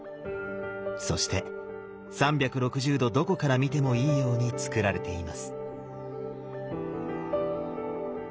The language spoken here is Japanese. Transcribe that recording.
そして３６０度どこから見てもいいようにつくられています。